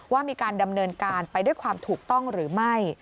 ว่ามีการดำเนินการไปด้วยความถูกต้องหรือไม่